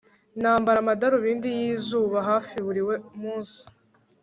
Nambara amadarubindi yizuba hafi buri munsi